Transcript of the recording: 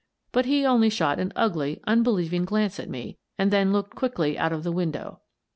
But he only shot an ugly, unbelieving glance at me and then looked quickly out of the window.